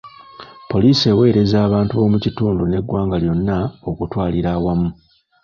Poliisi eweereza abantu b'omu kitundu n'eggwanga lyonna okutwalira awamu.